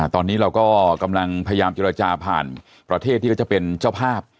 ตอนนี้เราก็กำลังพยายามเจรจาผ่านประเทศที่เขาจะเป็นเจ้าภาพ